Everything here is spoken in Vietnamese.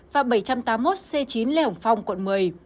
và bảy trăm tám mươi một c chín lê hồng phong quận một mươi